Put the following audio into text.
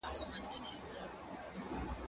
هغه څوک چي وخت تنظيموي منظم وي؟!